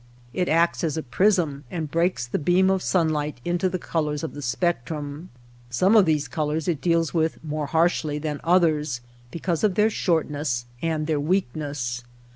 It acts as a prism and breaks the beam of sun light into the colors of the spectrum. Some of these colors it deals with more harshly than others because of their shortness and their weakness.